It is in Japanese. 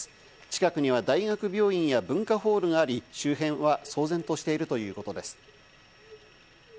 近くには大学病院やホールがあり、周辺は騒然としているということです。